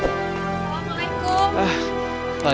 tidak ada ap tanpa namah